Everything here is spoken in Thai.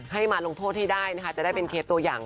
ให้มาลงโทษให้ได้นะคะจะได้เป็นเคสตัวอย่าง